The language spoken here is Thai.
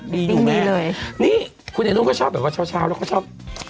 ดีอยู่แม่นี่คุณไอนุ่นก็ชอบแบบว่าเช้าแล้วเขาชอบ